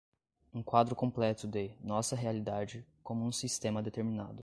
um quadro completo de, nossa realidade, como um sistema determinado